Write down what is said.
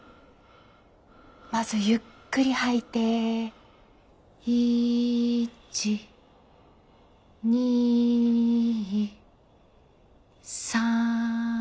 まずゆっくり吐いて１２３。